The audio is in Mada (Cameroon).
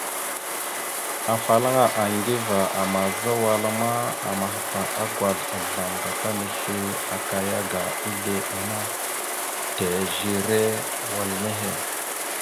Afalaŋa Aŋgiva àmaza wala ma, amahba agwazl azzlam gata misle akaya aga izle ana tèzire wal nehe.